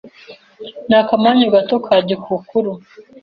n’akamanyu gato ka gikukuru